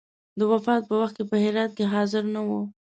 د وفات په وخت کې په هرات کې حاضر نه وو.